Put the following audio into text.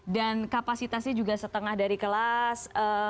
dan kapasitasnya juga setengah dari kelas